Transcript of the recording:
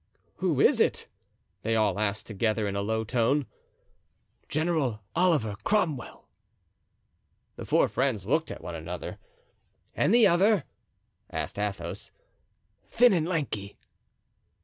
"Who is it?" they all asked together in a low tone. "General Oliver Cromwell." The four friends looked at one another. "And the other?" asked Athos. "Thin and lanky."